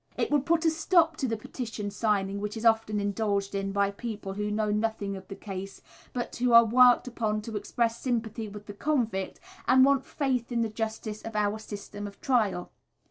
It would put a stop to the petition signing which is often indulged in by people who know nothing of the case, but who are worked upon to express sympathy with the convict, and want of faith in the justice of our system of trial.